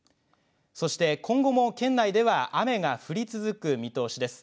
そして今後も県内では雨が降り続く見通しです。